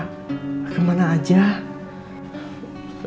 kalau boleh saya minta dimutasi saja pak